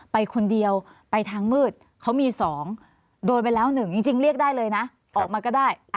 ไปคนเดียวไปทางมืดเขามี๒โดนไปแล้ว๑จริงเรียกได้เลยนะออกมาก็ได้